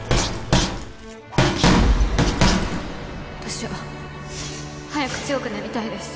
私は早く強くなりたいです。